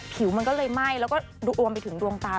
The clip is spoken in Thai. ผิวมันก็เลยไหม้แล้วก็ดูอวมไปถึงดวงตา